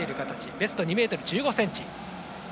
ベストは２ｍ１５ｃｍ。